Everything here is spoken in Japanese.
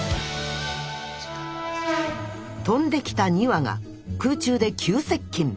飛んできた２羽が空中で急接近。